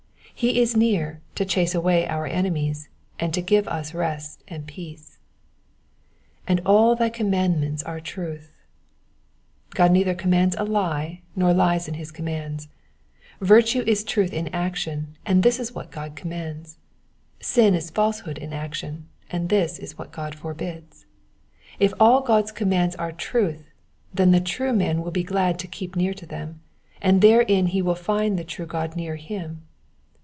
He is near to chase away our enemies, and to give us rest and peace. *'''And aU thy commandments are truth,^^ God neither commands a lie, nor lies in his commands.* Virtue is truth in action, and this is what God commands. Sin is falsehood in action, and this is what God forbids. If all God^s com mands are truth, then the true man will be glad to keep near to them, and therein he will find the true God near him.